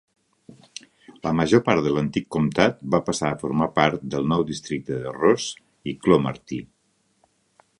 La major part de l'antic comtat va passar a formar part del nou districte de Ross i Cromarty.